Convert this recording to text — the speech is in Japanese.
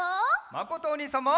まことおにいさんも。